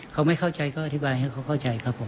เขาไม่เข้าใจก็อธิบายให้เขาเข้าใจครับผม